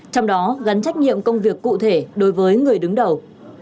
trong đó gắn trách nhiệm công việc cụ thể đối với người đứng đầu